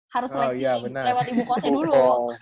harus seleksi lewat ibu kota dulu